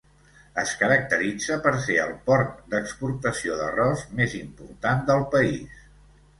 Es caracteritza per ser el port d'exportació d'arròs més important del país.